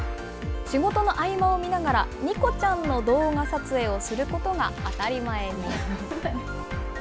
仕事の合間を見ながら、にこちゃんの動画撮影をすることが当たり前に。